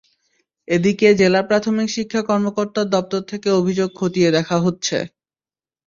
এদিকে জেলা প্রাথমিক শিক্ষা কর্মকর্তার দপ্তর থেকেও অভিযোগ খতিয়ে দেখা হচ্ছে।